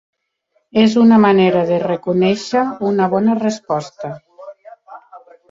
És una manera de reconèixer una bona resposta.